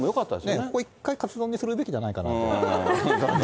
ここ、１回、カツ丼にするべきじゃないかなと。べき？